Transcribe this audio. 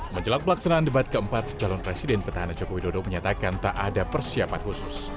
menjelak pelaksanaan debat keempat calon presiden petahana jokowi dodo menyatakan tak ada persiapan khusus